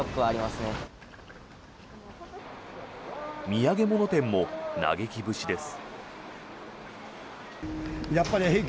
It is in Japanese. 土産物店も嘆き節です。